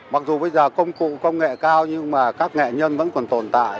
mặc dù bây giờ công cụ công nghệ cao nhưng mà các nghệ nhân vẫn còn tồn tại